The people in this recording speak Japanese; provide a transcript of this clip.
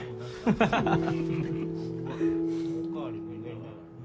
ハハハハ。